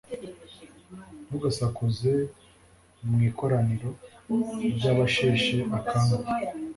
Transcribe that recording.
ntugasakuze mu ikoraniro ry'abasheshe akanguhe